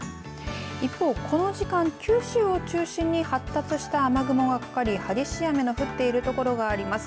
一方、この時間、九州を中心に発達した雨雲がかかり激しい雨の降っているところがあります。